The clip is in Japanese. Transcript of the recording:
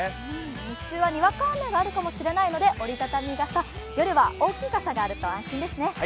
日中はにわか雨はあるかもしれないので折り畳み傘、夜は大きい傘があると安心ですね。